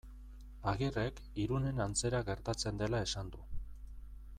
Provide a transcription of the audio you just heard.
Agirrek Irunen antzera gertatzen dela esan du.